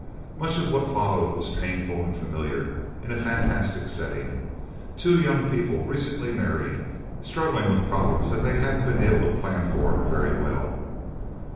Much of what followed was painful and familiar in a fantastic setting. Two young people, recently married, struggling with problems that they hadn't been able to plan for very well.